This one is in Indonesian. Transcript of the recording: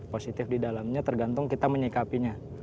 positif di dalamnya tergantung kita menyikapinya